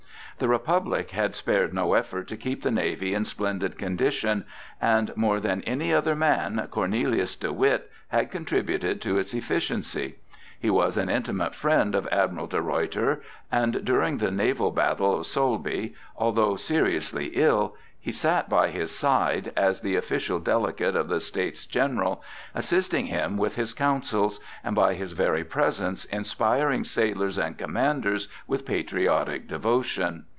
The Republic had spared no efforts to keep the navy in splendid condition, and more than any other man Cornelius de Witt had contributed to its efficiency. He was an intimate friend of Admiral de Ruyter, and during the naval battle of Solbay, although seriously ill, he sat by his side, as the official delegate of the States General, assisting him with his counsels, and by his very presence inspiring sailors and commanders with patriotic devotion.